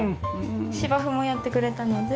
芝生もやってくれたので。